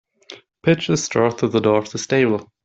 Pitch the straw through the door of the stable.